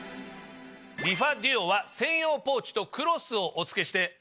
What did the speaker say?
リファデュオは専用ポーチとクロスをお付けして。